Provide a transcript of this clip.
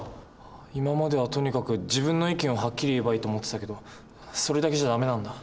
今まではとにかく自分の意見をはっきり言えばいいと思ってたけどそれだけじゃダメなんだ。